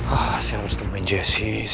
ah saya harus temuin jesse